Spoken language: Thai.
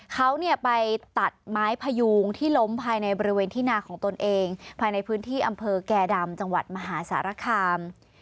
เขาเนี่ยไปตัดไม้พยูงที่ล้มภายในบริเวณที่นาของตนเองภายในพื้นที่อำเภอแก่ดำจังหวัดมหาสารคาม